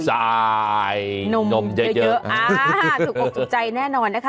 ใช่นมเยอะถูกตกใจแน่นอนนะคะ